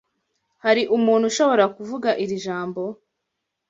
Hari umuntu ushobora kuvuga iri jambo?